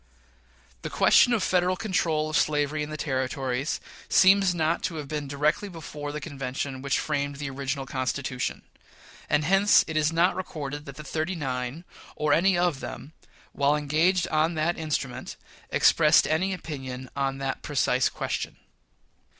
The question of Federal control of slavery in the Territories seems not to have been directly before the convention which framed the original Constitution; and hence it is not recorded that the "thirty nine," or any of them, while engaged on that instrument, expressed any opinion on that precise question.